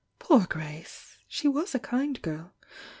"Poor Grace! She was a kind giri!